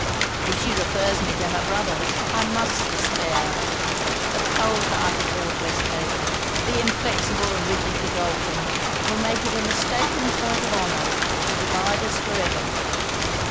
If she refers me to her brothers, I must despair: the cold hearted Lord Westhaven, the inflexible and rigid Godolphin, will make it a mistaken point of honour to divide us for ever!'